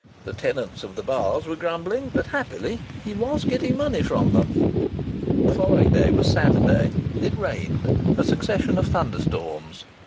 The tenants of the bars were grumbling, but happily he was getting money from them. The following day was Saturday. It rained a succession of thunderstorms.